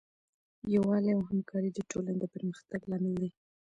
یووالی او همکاري د ټولنې د پرمختګ لامل دی.